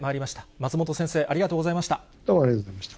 松本先生、ありがとうございました。